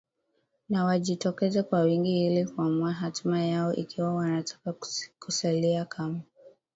na wajitokeze kwa wingi ili kuamua hatma yao ikiwa wanataka kusalia kama